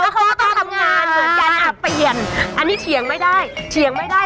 เขาก็ต้องทำงานเหมือนกันอ่ะเปลี่ยนอันนี้เถียงไม่ได้เฉียงไม่ได้